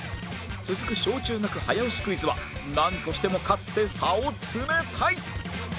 続く小・中学早押しクイズはなんとしても勝って差を詰めたい！